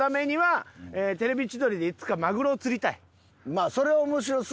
まあそれは面白そう。